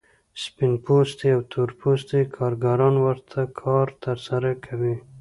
سپین پوستي او تور پوستي کارګران ورته کار ترسره کوي